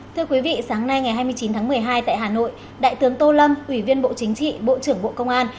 thưa quý vị sáng nay ngày hai mươi chín tháng một mươi hai tại hà nội đại tướng tô lâm ủy viên bộ chính trị bộ trưởng bộ công an